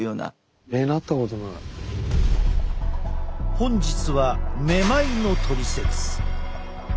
本日は「めまい」のトリセツ。